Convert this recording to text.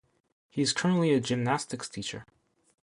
He is currently a gymnastics teacher.